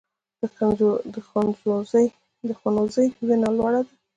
د ځنغوزي ونه لوړه ده